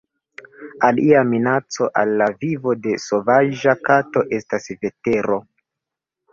Alia minaco al la vivo de sovaĝa kato estas vetero.